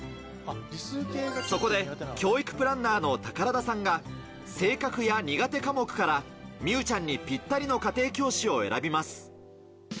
そこで教育プランナーの宝田さんが性格や、苦手科目から美羽ちゃんにぴったりの家庭教師を選びます。